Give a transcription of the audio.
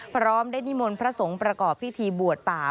พร้อมได้นิมนต์พระสงฆ์ประกอบพิธีบวชป่า